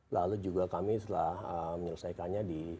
lalu kami juga telah menyelesaikannya di